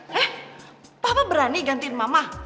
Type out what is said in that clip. leh papa berani gantiin mama